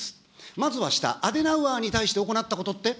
まずは下、アデナウアーに対して行ったことって。